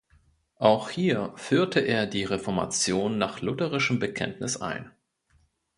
Auch hier führte er die Reformation nach lutherischem Bekenntnis ein.